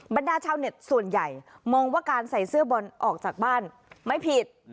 บรรดาชาวเน็ตส่วนใหญ่มองว่าการใส่เสื้อบอลออกจากบ้านไม่ผิด